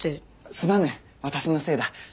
すまぬ私のせいだ。